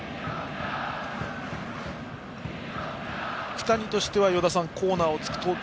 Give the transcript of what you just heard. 福谷としてはコーナーを突く投球